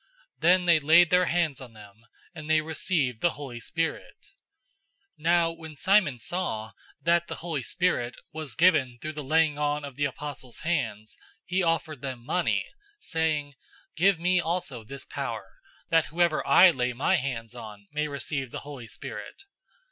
008:017 Then they laid their hands on them, and they received the Holy Spirit. 008:018 Now when Simon saw that the Holy Spirit was given through the laying on of the apostles' hands, he offered them money, 008:019 saying, "Give me also this power, that whoever I lay my hands on may receive the Holy Spirit."